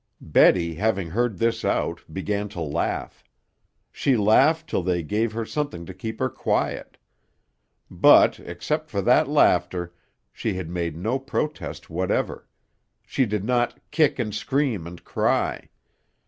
Betty, having heard this out, began to laugh. She laughed till they gave her something to keep her quiet. But, except for that laughter, she had made no protest whatever; she did not "kick and scream and cry."